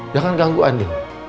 jangan ganggu andi